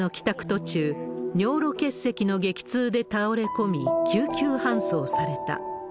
途中、尿路結石の激痛で倒れ込み、救急搬送された。